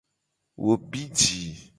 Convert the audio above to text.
Wo bi ji.